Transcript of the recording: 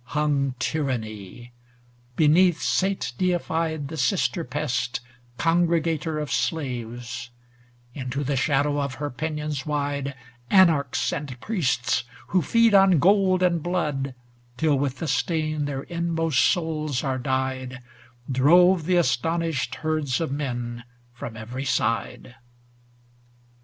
Hung Tyranny; beneath, sate deified The sister pest, congregator of slaves; Into the shadow of her pinions wide Anarchs and priests who feed on gold and blood Till with the stain their inmost souls are dyed, Drove the astonished herds of men from every side.